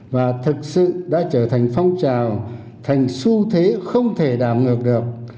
và thực sự đã trở thành phong trào thành su thế không thể đọng ngược được